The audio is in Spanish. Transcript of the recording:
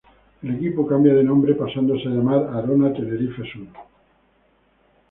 El equipo cambia de nombre pasándose a llamar Arona Tenerife Sur.